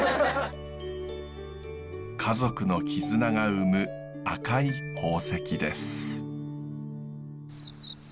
家族の絆が生む赤い宝石です。